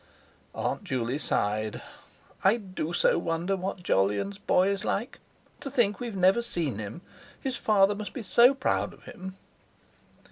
Aunt Juley sighed. "I do so wonder what Jolyon's boy is like. To think we've never seen him! His father must be so proud of him."